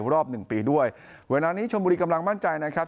รอบหนึ่งปีด้วยเวลานี้ชมบุรีกำลังมั่นใจนะครับ